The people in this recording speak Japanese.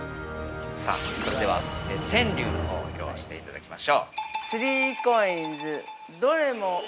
◆さあ、それでは川柳のほう披露していただきましょう。